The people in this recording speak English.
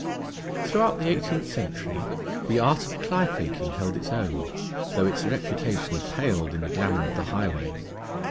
Throughout the eighteenth century the art of cly faking held its own, though its reputation paled in the glamour of the highway.